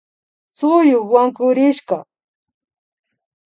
Suyuk wankurishka